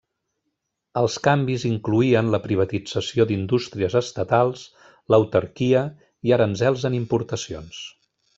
Els canvis incloïen la privatització d'indústries estatals, l'autarquia, i aranzels en importacions.